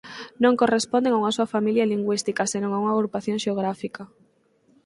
Non corresponden a unha soa familia lingüística senón a unha agrupación xeográfica.